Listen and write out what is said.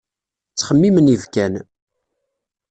Ttxemmimen yibekkan.